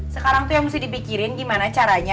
sekarang tuh yang mesti dipikirin gimana caranya